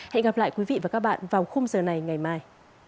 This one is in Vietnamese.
hẹn gặp lại quý vị và các bạn vào khung giờ này ngày mai